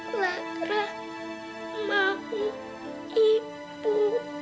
lara mau ibu